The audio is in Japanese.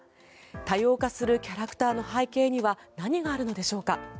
多様化するキャラクターの背景には何があるのでしょうか。